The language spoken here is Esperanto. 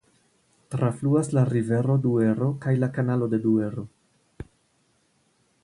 Trafluas la rivero Duero kaj la Kanalo de Duero.